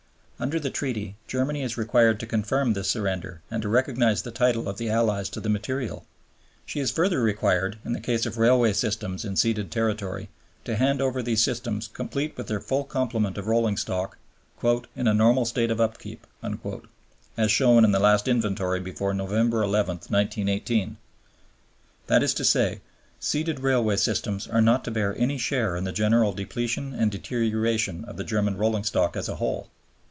Under the Treaty Germany is required to confirm this surrender and to recognize the title of the Allies to the material. She is further required, in the case of railway systems in ceded territory, to hand over these systems complete with their full complement of rolling stock "in a normal state of upkeep" as shown in the last inventory before November 11, 1918. That is to say, ceded railway systems are not to bear any share in the general depletion and deterioration of the German rolling stock as a whole.